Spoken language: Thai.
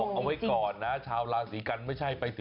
เอาไว้ก่อนนะชาวราศีกันไม่ใช่ไปสิ